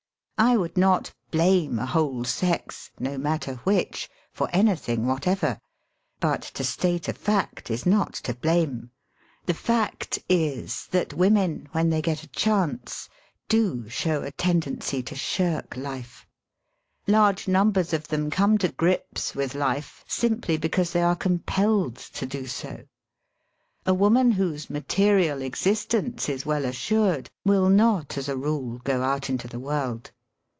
I would not blame a whole sex — no matter which — for anything whatever. But to state a fact is not to blame. The fact is RUNNING AWAY FROM LIFE 19 that women, when they get a chance, do show a tendency to shirk life. Large numbers of them come to grips with life simply because they are compelled to do so. A woman whose material ex istence is well assured will not as a rule go out into the world.